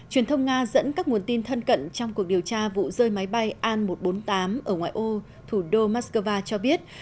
truyền thông nga dẫn các nguồn tin thân cận trong cuộc điều tra vụ rơi máy bay an một trăm bốn mươi tám ở ngoại ô thủ đô moscow cho biết